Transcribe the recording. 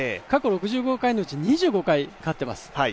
過去６５回のうち２５回勝っています。